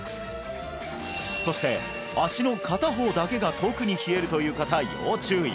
そして足の片方だけが特に冷えるという方要注意！